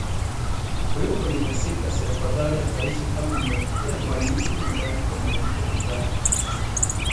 Kuliko kunyanyasika si afadhali akaishi kama malkia wa nyuki nyumbani kwa mwanamke mwenzake